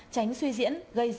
tránh suy diễn gây rắc rối